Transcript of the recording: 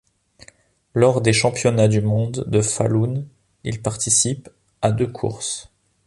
Lors des championnats du monde de Falun, il participe à deux courses.